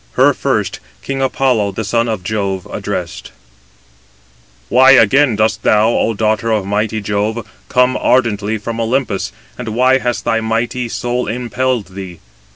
Her first king Apollo, the son of Jove, addressed: "Why again dost thou, O daughter of mighty Jove, come ardently from Olympus, and why has thy mighty soul impelled thee?